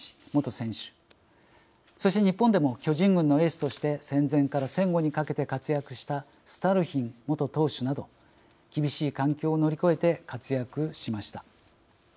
そして日本でも巨人軍のエースとして戦前から戦後にかけて活躍したスタルヒン元投手など厳しい環境を乗り越えて活躍しました。